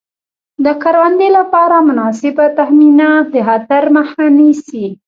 د کروندې لپاره مناسبه تخمینه د خطر مخه نیسي.